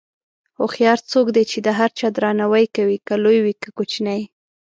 هوښیار څوک دی چې د هر چا درناوی کوي، که لوی وي که کوچنی.